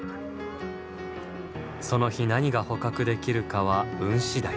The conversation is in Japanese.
その日何が捕獲できるかは運次第。